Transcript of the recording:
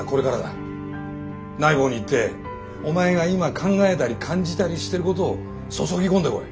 ナイボウに行ってお前が今考えたり感じたりしてることを注ぎ込んでこい。